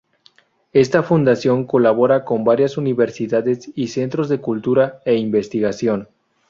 Esta Fundación colabora con varias universidades y centros de cultura e investigación.